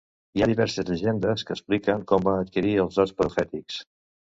Hi ha diverses llegendes que expliquen com va adquirir els dots profètics.